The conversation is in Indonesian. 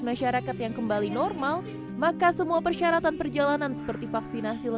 masyarakat yang kembali normal maka semua persyaratan perjalanan seperti vaksinasi